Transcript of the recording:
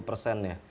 tiga puluh persen ya